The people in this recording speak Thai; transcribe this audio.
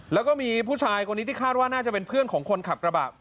แล้วก็มีผู้ชายคนนี้ที่คาดว่าน่าจะเป็นเพื่อนของคนขับกระบะ